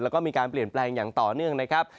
แล้วก็มีการเปลี่ยนแปลงอย่างต่อเนื่องนะครับ